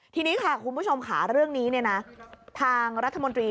ทีนี้ค่ะคุณผู้ชมค่ะเรื่องนี้ทางรัฐมนตรี